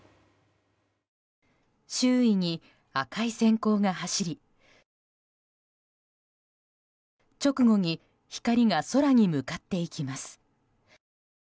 周囲に赤い閃光が走り直後に光が空に向かっていきます。